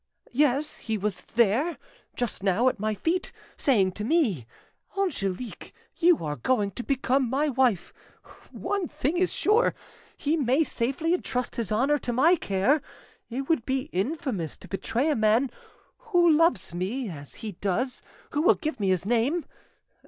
Yes, he was there, just now, at my feet, saying to me, 'Angelique, you are going to become my wife.' One thing is sure, he may safely entrust his honour to my care. It would be infamous to betray a man who loves me as he does, who will give me his name.